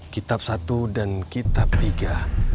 kitab satu dan kitab tiga